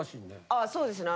ああそうですね。